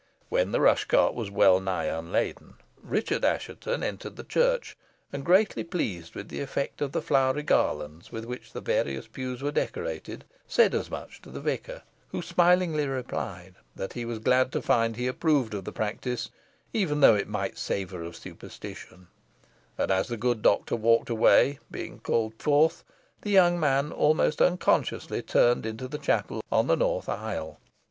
When the rush cart was wellnigh unladen Richard Assheton entered the church, and greatly pleased with the effect of the flowery garlands with which the various pews were decorated, said as much to the vicar, who smilingly replied, that he was glad to find he approved of the practice, "even though it might savour of superstition;" and as the good doctor walked away, being called forth, the young man almost unconsciously turned into the chapel on the north aisle.